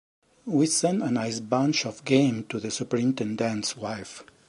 We sent a nice bunch of game to the superintendent's wife.